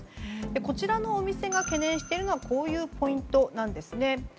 こちらのお店が懸念しているのがこういうポイントなんですね。